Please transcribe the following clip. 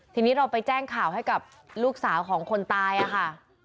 ทีนี้เราไปแจ้งข่าวให้กับลูกสาวของคนตายค่ะ